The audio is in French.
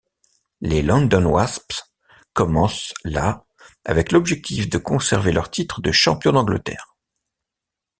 Les London Wasps commencent la avec l'objectif de conserver leur titre de champion d'Angleterre.